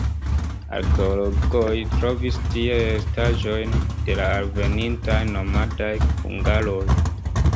Arkeologoj trovis tie restaĵojn de la alvenintaj nomadaj hungaroj.